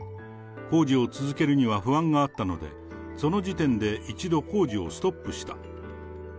工事を続けるには不安があったので、その時点で一度、工事をストップした。